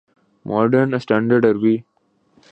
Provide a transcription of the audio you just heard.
modern standard Arabi